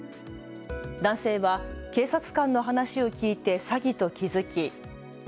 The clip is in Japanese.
男性は警察官の話を聞いて詐欺と気付き。